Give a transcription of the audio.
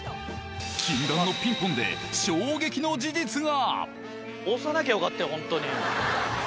禁断のピンポンで衝撃の事実が。